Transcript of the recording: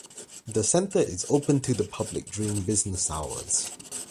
The center is open to the public during business hours.